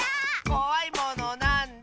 「こわいものなんだ？」